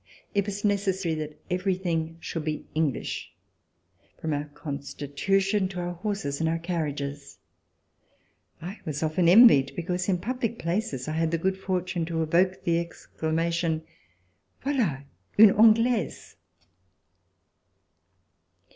It was necessary that everything should be English — from our Con stitution to our horses and our carriages. I was often envied because in public places I had the good fortune to evoke the exclamation, "Voila une Anglaise!"